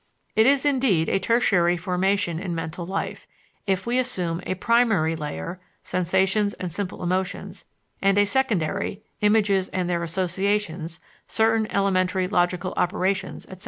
It is, indeed, a tertiary formation in mental life, if we assume a primary layer (sensations and simple emotions), and a secondary (images and their associations, certain elementary logical operations, etc.).